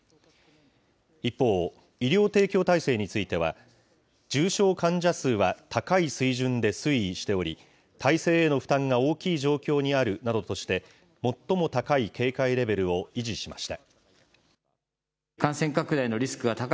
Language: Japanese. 一方、医療提供体制については、重症患者数は高い水準で推移しており、体制への負担が大きい状況にあるなどとして、最も高い警戒レベルを維持しました。